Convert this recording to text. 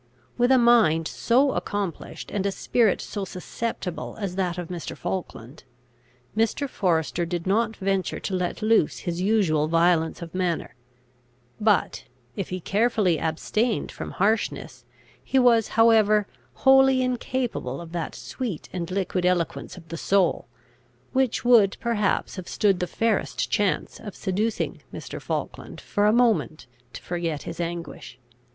With a mind so accomplished and a spirit so susceptible as that of Mr. Falkland, Mr. Forester did not venture to let loose his usual violence of manner; but, if he carefully abstained from harshness, he was however wholly incapable of that sweet and liquid eloquence of the soul, which would perhaps have stood the fairest chance of seducing Mr. Falkland for a moment to forget his anguish.